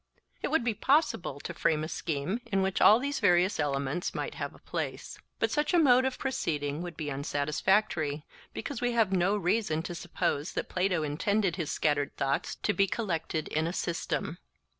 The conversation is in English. It would be possible to frame a scheme in which all these various elements might have a place. But such a mode of proceeding would be unsatisfactory, because we have no reason to suppose that Plato intended his scattered thoughts to be collected in a system.